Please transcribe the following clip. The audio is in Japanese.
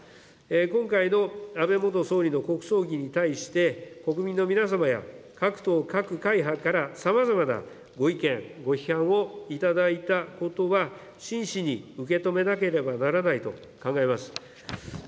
今回の安倍元総理の国葬儀に対して、国民の皆様や各党、各会派からさまざまなご意見、ご批判をいただいたことは、真摯に受け止めなければならないと考えます。